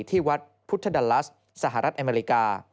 ที่วัดพุทธดัลลัสสหรัฐอเมริกา